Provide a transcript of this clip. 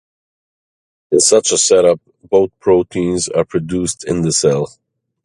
In such a setup both proteins are produced in the cell.